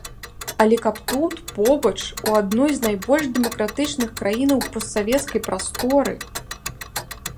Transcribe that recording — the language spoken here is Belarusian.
Але каб тут, побач, у адной з найбольш дэмакратычных краінаў постсавецкай прасторы!